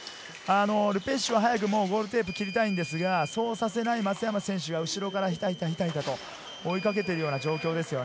ル・ペシュは早くゴールテープを切りたいんですが、そうさせない松山選手が後ろからひたひたと追いかけている状況です。